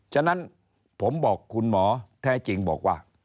ฉะนั้นผมบอกคุณหมอแท้จริงบอกว่า